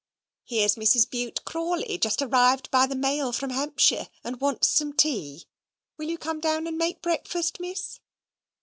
"Here's Mrs. Bute Crawley just arrived by the mail from Hampshire, and wants some tea; will you come down and make breakfast, Miss?"